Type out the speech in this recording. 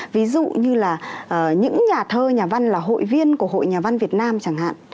ví dụ như là những nhà thơ nhà văn là hội viên của hội nhà văn việt nam chẳng hạn